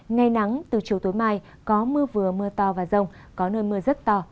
ngày nắng từ chiều tối mai có mưa vừa mưa to và rông có nơi mưa rất to